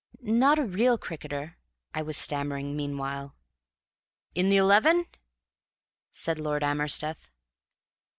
"Not a real cricketer," I was stammering meanwhile. "In the eleven?" said Lord Amersteth.